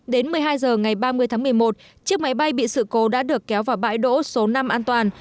đến một mươi hai h ngày ba mươi tháng một mươi một chiếc máy bay bị sự cố đã được kéo vào bãi đỗ số năm an toàn